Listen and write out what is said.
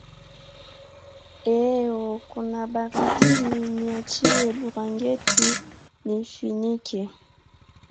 Eeo kuna baridi niecheya burangeti niifinike